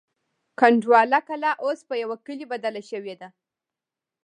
کنډواله کلا اوس په یوه کلي بدله شوې ده.